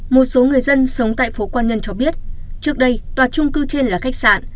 một số người dân sống tại phố quan nhân cho biết trước đây tòa trung cư trên là khách sạn